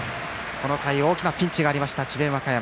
この回、大きなピンチがありました、智弁和歌山。